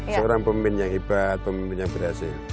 seorang pemimpin yang hebat pemimpin yang berhasil